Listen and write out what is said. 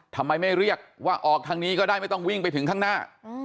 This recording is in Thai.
ทำไมไม่เรียกว่าออกทางนี้ก็ได้ไม่ต้องวิ่งไปถึงข้างหน้า